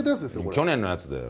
去年のやつだよ。